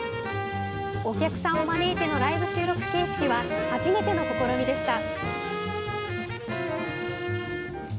お客さんを招いてのライブ収録形式は初めての試みでした。